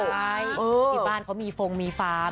ใช่ที่บ้านเขามีฟงมีฟ้า